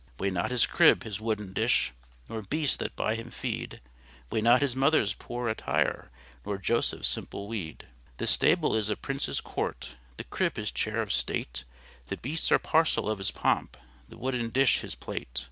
Weigh not His crib, His wooden dish, Nor beast that by Him feed; Weigh not his mother's poor attire, Nor Joseph's simple weed. This stable is a Prince's court, The crib His chair of state; The beasts are parcel of His pomp, The wooden dish His plate.